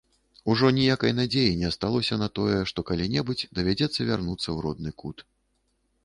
Ужо ніякай надзеі не асталося на тое, што калі-небудзь давядзецца вярнуцца ў родны кут.